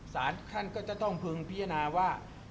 สารท่านก็จะต้องพึงพิจารณาว่า